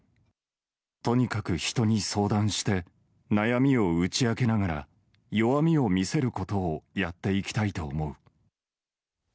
とにかく人に相談して、悩みを打ち明けながら、弱みを見せることをやっていきたいと思う。